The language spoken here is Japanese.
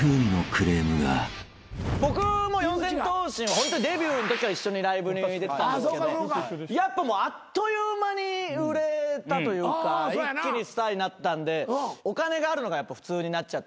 僕も四千頭身ホントデビューのときから一緒にライブに出てたんですけどあっという間に売れたというか一気にスターになったんでお金があるのが普通になっちゃってると思うんで。